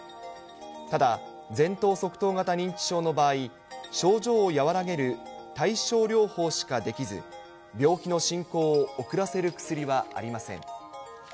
ただ、前頭側頭型認知症の場合、症状を和らげる対症療法しかできず、病気の進行を遅らせる薬はありません。